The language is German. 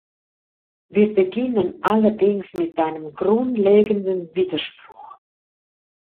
Wir beginnen allerdings mit einem grundlegenden Widerspruch.